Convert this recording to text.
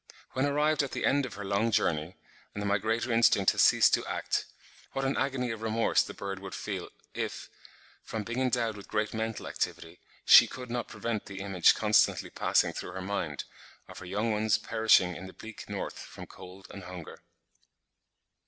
When arrived at the end of her long journey, and the migratory instinct has ceased to act, what an agony of remorse the bird would feel, if, from being endowed with great mental activity, she could not prevent the image constantly passing through her mind, of her young ones perishing in the bleak north from cold and hunger.